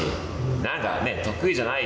なんかねっ得意じゃない。